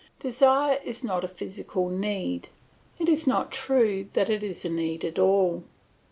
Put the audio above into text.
Desire is not a physical need; it is not true that it is a need at all.